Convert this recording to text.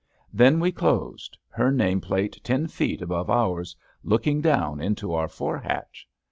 Then we closed — ^her name plate ten feet above ours, looking down into our forehatch.